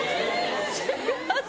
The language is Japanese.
すいません。